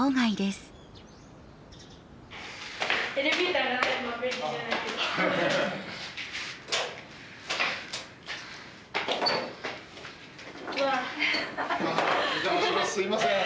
すいません。